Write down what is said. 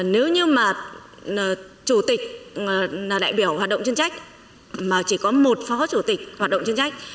nếu như mà chủ tịch là đại biểu hoạt động chuyên trách mà chỉ có một phó chủ tịch hoạt động chuyên trách